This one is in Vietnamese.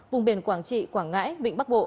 vùng biển quảng trị quảng ngãi vịnh bắc bộ